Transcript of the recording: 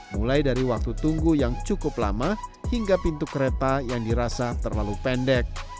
mulai dari waktu tunggu yang cukup lama hingga pintu kereta yang dirasa terlalu pendek